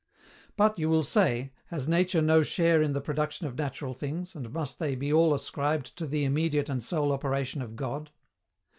But you will say, has Nature no share in the production of natural things, and must they be all ascribed to the immediate and sole operation of God?